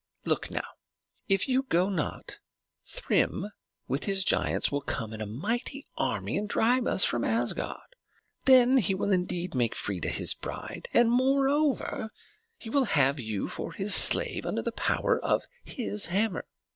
Look, now: if you go not, Thrym with his giants will come in a mighty army and drive us from Asgard; then he will indeed make Freia his bride, and moreover he will have you for his slave under the power of his hammer.